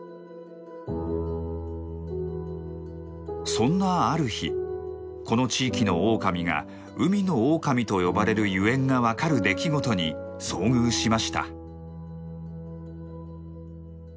そんなある日この地域のオオカミが「海のオオカミ」と呼ばれるゆえんが分かる出来事に遭遇しました。